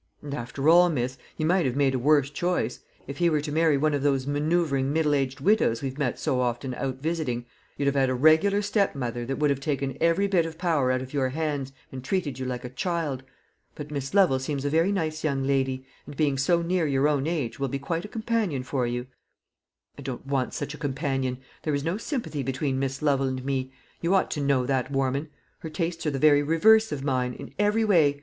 "And after all, miss, he might have made a worse choice. If he were to marry one of those manoeuvring middle aged widows we've met so often out visiting, you'd have had a regular stepmother, that would have taken every bit of power out of your hands, and treated you like a child. But Miss Lovel seems a very nice young lady, and being so near your own age will be quite a companion for you." "I don't want such a companion. There is no sympathy between Miss Lovel and me; you ought to know that, Warman. Her tastes are the very reverse of mine, in every way.